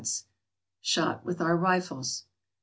Shot with our rifles.